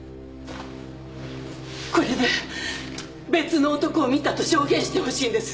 これで別の男を見たと証言してほしいんです